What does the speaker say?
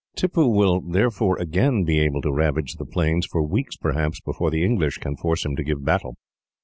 Tippoo will therefore again be able to ravage the plains, for weeks, perhaps, before the English can force him to give battle.